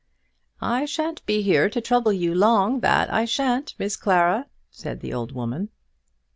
"I shan't be here to trouble you long; that I shan't, Miss Clara," said the old woman.